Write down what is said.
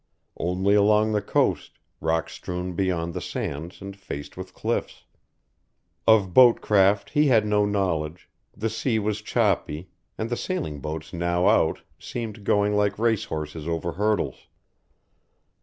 Only along the coast, rock strewn beyond the sands and faced with cliffs. Of boat craft he had no knowledge, the sea was choppy, and the sailing boats now out seemed going like race horses over hurdles.